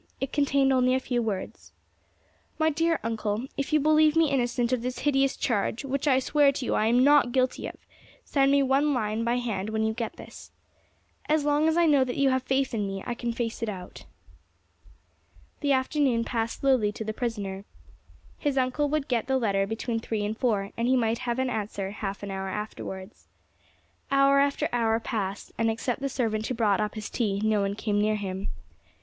It contained only a few words: "My dear Uncle, If you believe me innocent of this hideous charge, which I swear to you I am not guilty of, send me one line by hand when you get this. As long as I know that you have faith in me I can face it out." The afternoon passed slowly to the prisoner. His uncle would get the letter between three and four, and he might have an answer half an hour afterwards. Hour after hour passed, and, except the servant who brought up his tea, no one came near him.